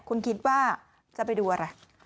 คุณคิดว่าจะไปดูอะไร